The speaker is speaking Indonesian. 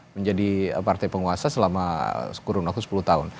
menjadi partai penguasa selama kurun waktu sepuluh tahun